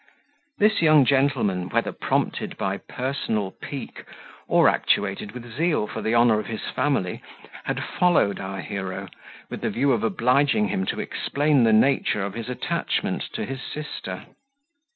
This young gentleman, whether prompted by personal pique, or actuated with zeal for the honour of his family, had followed our hero, with the view of obliging him to explain the nature of his attachment to his sister.